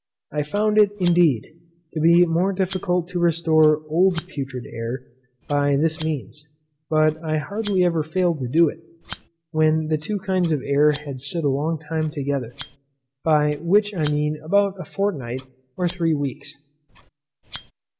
I found it, indeed, to be more difficult to restore old putrid air by this means; but I hardly ever failed to do it, when the two kinds of air had stood a long time together; by which I mean about a fortnight or three weeks.